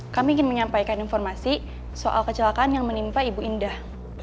kami ingin menyampaikan informasi soal kecelakaan yang menimpa ibu indah